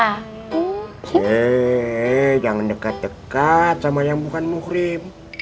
hei jangan dekat dekat sama yang bukan muhrim